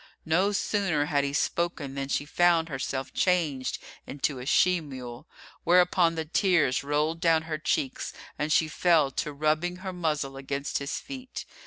No sooner had he spoken than she found herself changed into a she mule, whereupon the tears rolled down her cheeks and she fell to rubbing her muzzle against his feet.